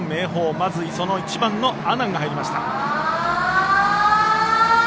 まずその１番の阿南が入りました。